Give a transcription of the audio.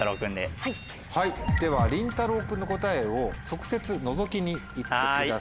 ではりんたろう君の答えを直接のぞきに行ってください。